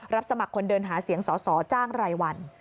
รับสมัครคนเดินหาเสียงสจ้างไรวัน